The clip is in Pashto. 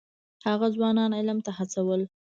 هغه ځوانان علم ته هڅول.